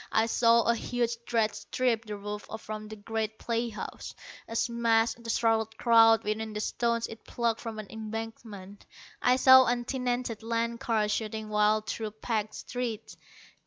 I saw a huge dredge strip the roof from a great playhouse, and smash the startled crowd within with stones it plucked from an embankment. I saw untenanted land cars shooting wild through packed streets.